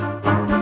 terima kasih pak